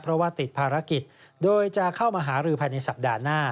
เพราะว่าติดภารกิจโดยจะเข้ามาหารือภายในสัปดาห์หน้า